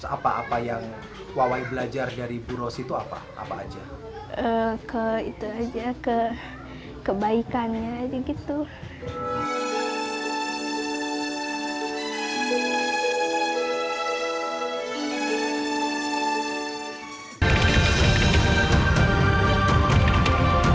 apa apa yang wawai belajar dari bu rosi itu apa